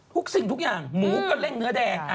สิ่งทุกอย่างหมูก็เล่นเนื้อแดง